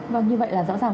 và như vậy là rõ ràng